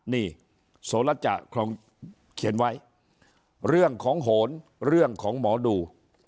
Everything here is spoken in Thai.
นี่โสระจะคงเขียนไว้เรื่องของโหนเรื่องของหมอดู